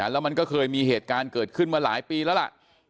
แล้วมันก็เคยมีเหตุการณ์เกิดขึ้นมาหลายปีแล้วล่ะ